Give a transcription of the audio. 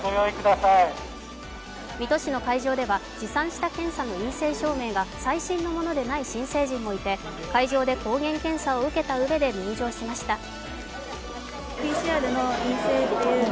水戸市の会場では持参した検査の陰性証明が最新のものでない新成人もいて会場で抗原検査を受けたうえで入場しました。